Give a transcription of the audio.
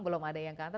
belum ada yang kantor